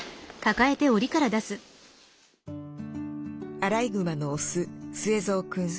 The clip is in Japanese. アライグマのオススエゾウくん。